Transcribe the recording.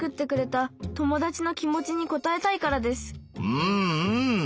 うんうん！